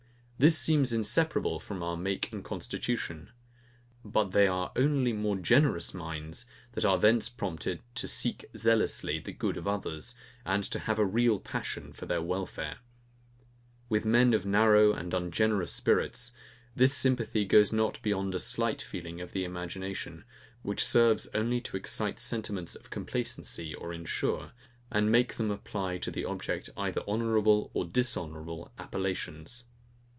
This seems inseparable from our make and constitution. But they are only more generous minds, that are thence prompted to seek zealously the good of others, and to have a real passion for their welfare. With men of narrow and ungenerous spirits, this sympathy goes not beyond a slight feeling of the imagination, which serves only to excite sentiments of complacency or ensure, and makes them apply to the object either honorable or dishonorable appellations.